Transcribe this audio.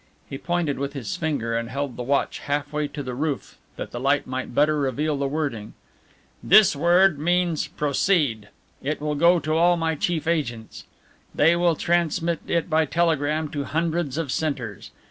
He pointed with his finger and held the watch half way to the roof that the light might better reveal the wording. "This word means 'Proceed.' It will go to all my chief agents. They will transmit it by telegram to hundreds of centres.